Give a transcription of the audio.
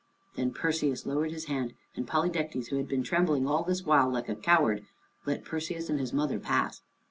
Then Perseus lowered his hand, and Polydectes, who had been trembling all this while like a coward, let Perseus and his mother pass.